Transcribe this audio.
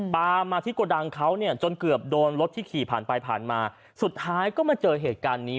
มาที่กระดังเขาเนี่ยจนเกือบโดนรถที่ขี่ผ่านไปผ่านมาสุดท้ายก็มาเจอเหตุการณ์นี้